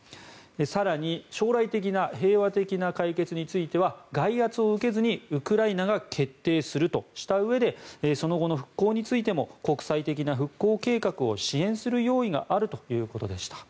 更に、将来的な平和的な解決については外圧を受けずにウクライナが決定するとしたうえでその後の復興についても国際的な復興計画を支援する用意があるということでした。